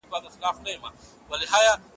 په مزل کې د چا کور نه لټول کېږي.